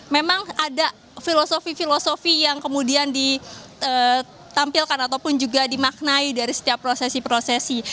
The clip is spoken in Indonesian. memang ada filosofi filosofi yang kemudian ditampilkan ataupun juga dimaknai dari setiap prosesi prosesi